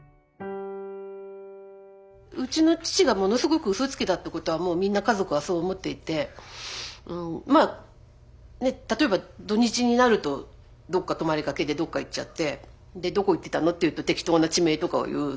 うちの父がものすごくうそつきだってことはもうみんな家族はそう思っていてまあ例えば土日になると泊まりがけでどっか行っちゃってどこ行ってたのって言うと適当な地名とかを言う。